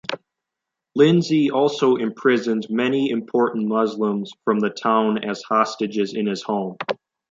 Lindsay also imprisoned many important Muslims from the town as hostages in his home.